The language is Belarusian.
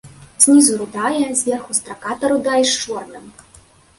Знізу рудая, зверху страката рудая з чорным.